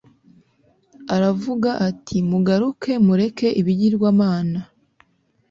aravuga ati mugaruke mureke ibigirwamana